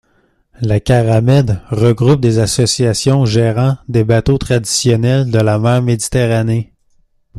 La CaraMed regroupe des associations gérant des bateaux traditionnels de la mer Méditerranée.